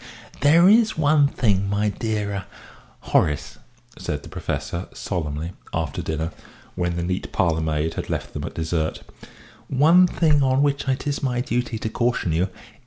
"There is one thing, my dear er Horace," said the Professor, solemnly, after dinner, when the neat parlourmaid had left them at dessert, "one thing on which I think it my duty to caution you.